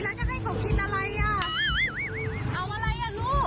แล้วจะให้เขากินอะไร